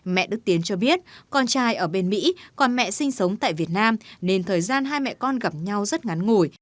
mẹ đức tiến cho biết con trai ở bên mỹ còn mẹ sinh sống tại việt nam nên thời gian hai mẹ con gặp nhau rất ngắn ngủi